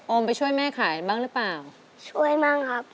ไปช่วยแม่ขายบ้างหรือเปล่าช่วยบ้างครับ